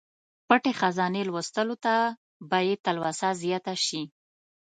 پټې خزانې لوستلو ته به یې تلوسه زیاته شي.